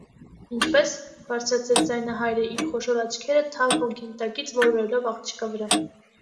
- Ինչպե՞ս,- բարձրացրեց ձայնը հայրը, իր խոշոր աչքերը թավ հոնքերի տակից ոլորելով աղջկա վրա: